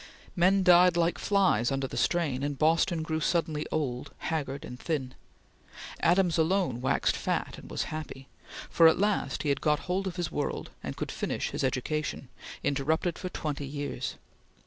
Men died like flies under the strain, and Boston grew suddenly old, haggard, and thin. Adams alone waxed fat and was happy, for at last he had got hold of his world and could finish his education, interrupted for twenty years.